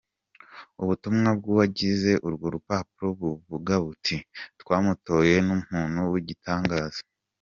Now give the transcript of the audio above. Ubutumwa bw'uwagize urwo rupapuro buvuga buti:" Twamutoye! N'umuntu w'igitangaza.